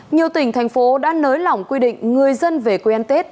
nhiều tỉnh thành phố đã nới lỏng quy định người dân về quê ăn tết